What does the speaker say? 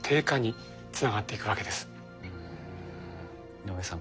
井上さん